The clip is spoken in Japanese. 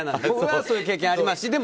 僕はそういう経験ありますし。